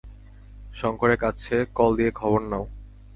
শঙ্করের কাছে কল দিয়ে খবর নাও!